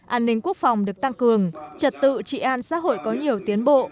an ninh quốc phòng được tăng cường trật tự trị an xã hội có nhiều tiến bộ